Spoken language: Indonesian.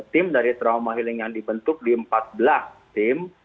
tim dari trauma healing yang dibentuk di empat belas tim